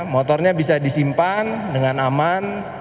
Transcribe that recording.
motornya bisa disimpan dengan aman